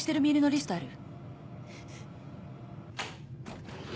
リストある？